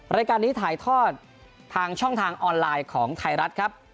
รายการนี้ถ่ายทอดทางช่องทางออนไลน์ของไทยรัฐครับ